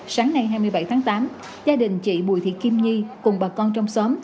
sáng nay hai mươi bảy tháng tám gia đình chị bùi thị kim nhi cùng bà con trong xóm